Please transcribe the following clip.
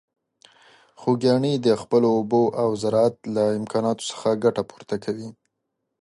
خوږیاڼي د خپلو اوبو او زراعت له امکاناتو څخه ګټه پورته کوي.